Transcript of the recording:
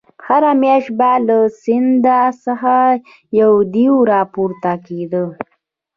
هره میاشت به له سمندر څخه یو دېو راپورته کېدی.